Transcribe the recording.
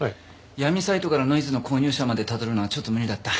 闇サイトからノイズの購入者までたどるのはちょっと無理だった。